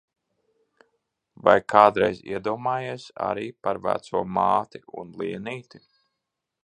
Vai kādreiz iedomājies arī par veco māti un Lienīti?